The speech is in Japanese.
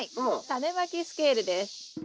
タネまきスケールです。